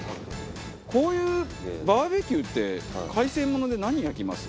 こういうバーベキューって海鮮もので何焼きます？